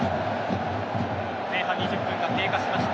前半２０分が経過しました。